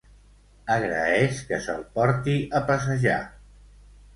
Agraeix que se'l porti a passejar.